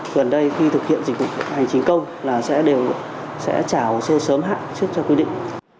gần đây khi thực hiện dịch vụ hành chính công là sẽ đều sẽ trả hồ sơ sớm hạn trước cho quy định